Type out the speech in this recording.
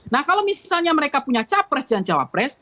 nah kalau misalnya mereka punya capres dan cawapres